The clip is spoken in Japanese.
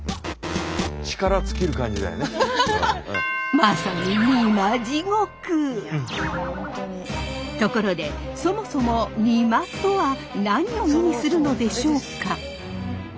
まさにところでそもそも「にま」とは何を意味するのでしょうか？